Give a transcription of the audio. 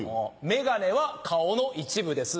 「眼鏡は顔の一部です」